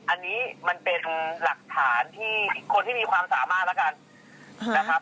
อันนี้มันเป็นหลักฐานที่คนที่มีความสามารถแล้วกันนะครับ